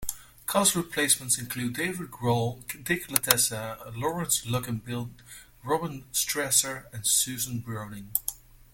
Cast replacements included: David Groh, Dick Latessa, Laurence Luckinbill, Robin Strasser, and Susan Browning.